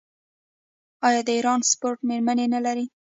آیا د ایران سپورټ میرمنې نلري؟